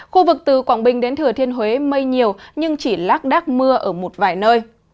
khu vực từ quảng bình đến thừa thiên huế mây nhiều nhưng chỉ lác đác mưa ở một vài nơi